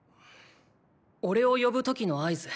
おれを呼ぶ時の合図。